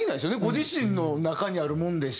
ご自身の中にあるものでしか。